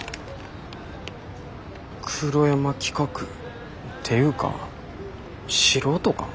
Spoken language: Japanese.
黒山企画っていうか素人か？